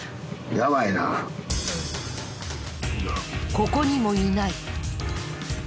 ここにもいない。